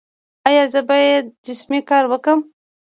ایا زه باید جسمي کار وکړم؟